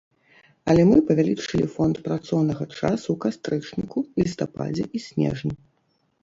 Але мы павялічылі фонд працоўнага часу ў кастрычніку, лістападзе і снежні.